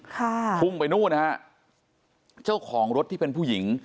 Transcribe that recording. พุ่งไปนู่นนะฮะเจ้าของรถที่เป็นผู้หญิง